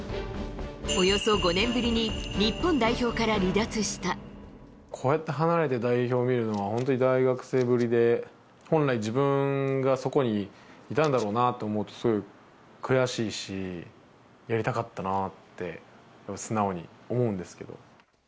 およそ５年ぶりに、こうやって、離れて代表を見るのは、本当に大学生ぶりで、本来、自分がそこにいたんだろうなと思うと、すごい悔しいし、やりたかったなって、素直に思うんですけど。